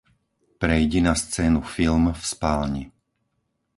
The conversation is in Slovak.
Prejdi na scénu "film" v spálni.